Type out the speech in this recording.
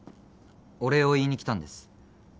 お礼を言いにきたんです。